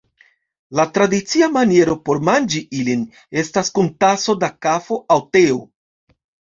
La tradicia maniero por manĝi ilin estas kun taso da kafo aŭ teo.